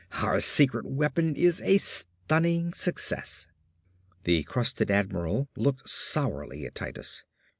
Our secret weapon is a stunning success!" The crusted admiral looked sourly at Titus.